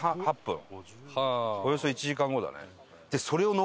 およそ１時間後だね。